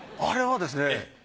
あれはですね